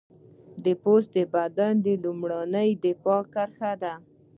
پوست د بدن لومړنۍ دفاعي کرښه ده.